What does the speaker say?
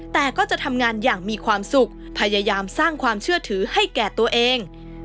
แต่ก็จะทำงานอย่างมีความสุขพยายามสร้างความเชื่อถือให้แก่ตัวเอง